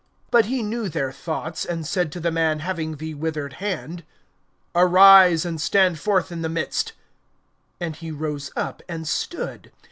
(8)But he knew their thoughts, and said to the man having the withered hand: Arise, and stand forth in the midst. And he rose up, and stood.